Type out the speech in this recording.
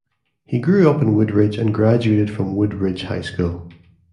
He grew up in Wood-Ridge and graduated from Wood-Ridge High School.